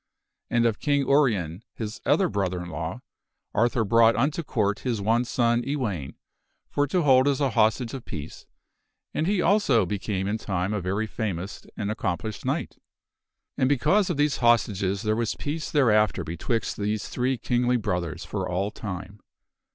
And of King Urien, his other brother in law, Arthur brought unto Court his one son, Ewaine,' for to hold as an hostage of peace ; and he also became in time a very famous and accomplished knight. And because of these hostages there was peace thereafter betwixt those three kingly brothers for all time.